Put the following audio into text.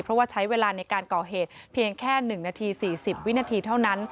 เพราะว่าใช้เวลาในการก่อเหตุเพียงแค่๑นาที๔๐วินาทีเท่านั้น